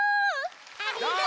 ありがとち！